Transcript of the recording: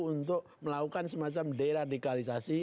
untuk melakukan semacam deradikalisasi